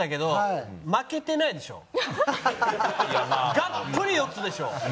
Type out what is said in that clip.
がっぷり四つでしょ。